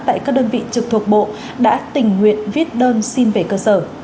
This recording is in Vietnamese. tại các đơn vị trực thuộc bộ đã tình nguyện viết đơn xin về cơ sở